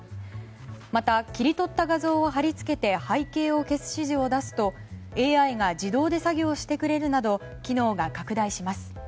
また切り取った画像を貼り付けて背景を消す指示を出すとＡＩが自動で作業をしてくれるなど機能が拡大します。